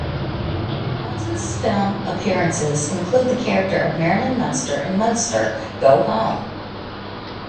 Watson's film appearances include the character of Marilyn Munster in Munster, Go Home!